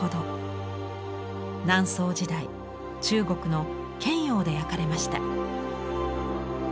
南宋時代中国の建窯で焼かれました。